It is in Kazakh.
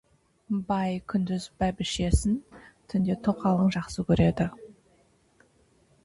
Бай күндіз бәйбішесін, түнде тоқалын жақсы көреді.